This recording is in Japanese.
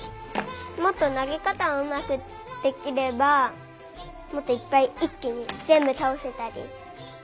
もっとなげかたをうまくできればもっといっぱいいっきにぜんぶたおせたり。